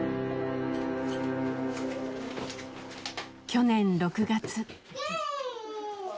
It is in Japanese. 去年６月。